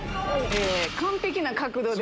完璧な角度で。